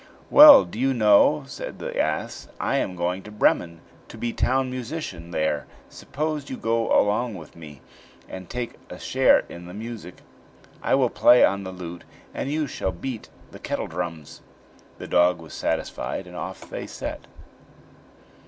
"Well, do you know," said the ass, "I am going to Bremen, to be town musician there; suppose you go with me and take a share in the music. I will play on the lute, and you shall beat the kettledrums." The dog was satisfied, and off they set.